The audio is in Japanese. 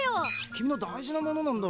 君の大事なものなんだろ？